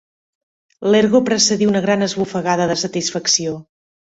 L'ergo precedí una gran esbufegada de satisfacció.